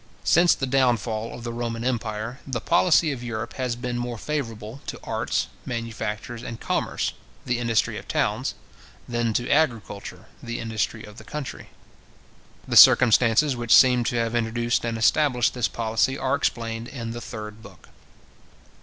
Since the down fall of the Roman empire, the policy of Europe has been more favourable to arts, manufactures, and commerce, the industry of towns, than to agriculture, the Industry of the country. The circumstances which seem to have introduced and established this policy are explained in the third book.